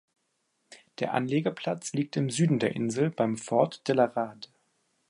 Der Anlegeplatz liegt im Süden der Insel beim "Fort de la Rade".